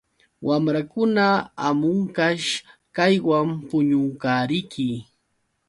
Wamrankuna hamunqash kaywan puñunqariki.